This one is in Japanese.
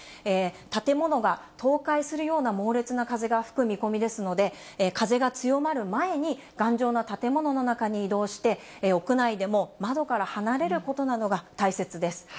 建物が倒壊するような猛烈な風が吹く見込みですので、風が強まる前に、頑丈な建物の中に移動して、屋内でも窓から離れることなどが大切です。